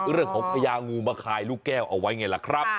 เรื่องของพญางูมาคายลูกแก้วเอาไว้ไงล่ะครับ